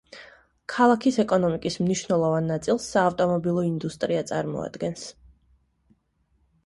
ქალაქის ეკონომიკის მნიშვნელოვან ნაწილს საავტომობილო ინდუსტრია წარმოადგენს.